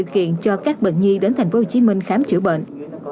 tạo điều kiện cho các bệnh nhi đến thành phố hồ chí minh khám chữa bệnh